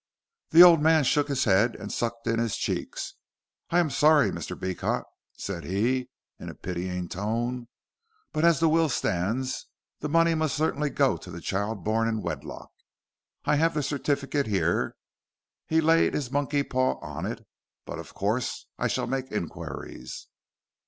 The old man shook his head and sucked in his cheeks. "I am sorry, Mr. Beecot," said he, in a pitying tone, "but as the will stands the money must certainly go to the child born in wedlock. I have the certificate here," he laid his monkey paw on it, "but of course I shall make inquiries."